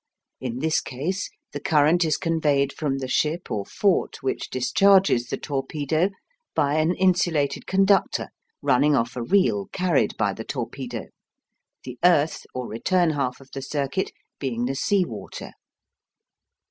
In this case the current is conveyed from the ship or fort which discharges the torpedo by an insulated conductor running off a reel carried by the torpedo, the "earth" or return half of the circuit being the sea water.